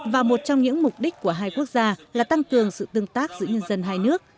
và một trong những mục đích của hai quốc gia là tăng cường sự tương tác giữa nhân dân hai nước